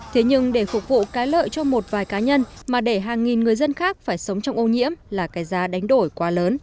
thế nhưng để phục vụ cái lợi cho một vài cá nhân mà để hàng nghìn người dân khác phải sống trong ô nhiễm là cái giá đánh đổi quá lớn